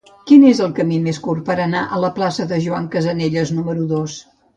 Quin és el camí més curt per anar a la plaça de Joan Casanelles número dos?